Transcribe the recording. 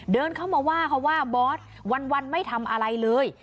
เดินเข้ามาว่าเขาว่าบอสวันไม่ทำอะไรเลย